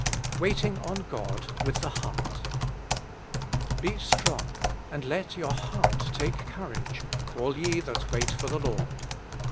WAITING ON GOD: iraiftb tbe Ibeart ' iJe strong, and let your heart take conrage, All ye that wait for the Lord.'